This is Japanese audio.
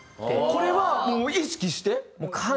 これはもう意識して？